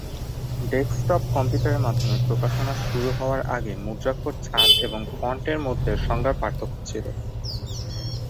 Desktop কম্পিউটারের মাধমে প্রকাশনা শুরু হওয়ার আগে মুদ্রাক্ষর-ছাঁদ এবং ফন্ট-এর মধ্যে সংজ্ঞার পার্থক্য ছিল।